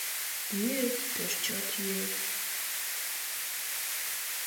Йӱыт, пеш чот йӱыт.